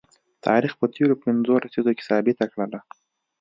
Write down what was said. تاریخ په تیرو پنځو لسیزو کې ثابته کړله